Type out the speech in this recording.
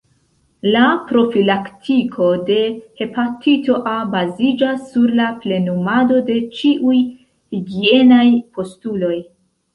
La profilaktiko de hepatito A baziĝas sur la plenumado de ĉiuj higienaj postuloj.